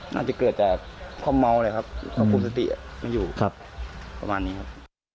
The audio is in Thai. น่าจะเกิดจากความเมาเลยครับควบคุมสติไม่อยู่ประมาณนี้ครับ